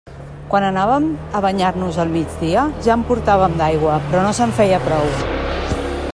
Quan anàvem a banyar-nos al migdia ja en portàvem, d'aigua, però no se'n feia prou.